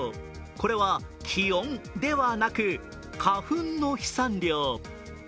これは気温ではなく、花粉の飛散量。